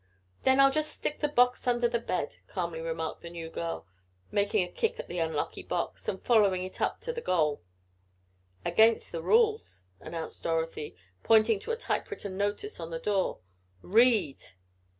"Then I'll just stick the box under the bed," calmly remarked the new girl, making a kick at the unlucky box and following it up to the "goal." "Against the rules," announced Dorothy, pointing to a typewritten notice on the door. "Read!"